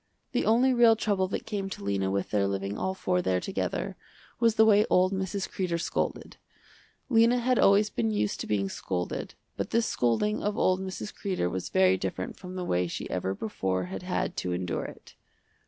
The only real trouble that came to Lena with their living all four there together, was the way old Mrs. Kreder scolded. Lena had always been used to being scolded, but this scolding of old Mrs. Kreder was very different from the way she ever before had had to endure it.